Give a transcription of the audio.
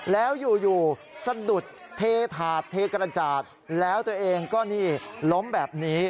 แล้วอยู่สะดุดเทถาดเทกระจาดแล้วตัวเองก็นี่ล้มแบบนี้